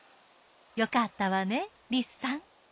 よかったわねリスさん。